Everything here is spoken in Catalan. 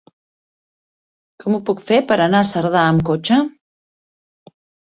Com ho puc fer per anar a Cerdà amb cotxe?